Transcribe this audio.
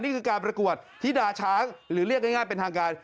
นี่คือการประกวดธิดาช้างหรือเรียกง่ายเป็นทางการ